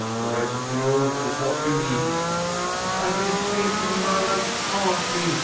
The rest cure is what you need." "And miss Katie Mallard's pah'ty?"